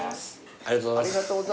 ありがとうございます。